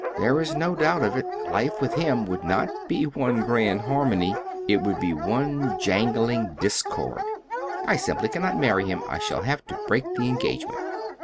There is no doubt of it life with him would not be one grand harmony; it would be one jangling discord. I simply cannot marry him. I shall have to break the engagement!"